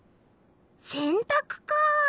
せんたくかあ。